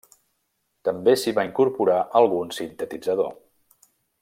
També s'hi va incorporar algun sintetitzador.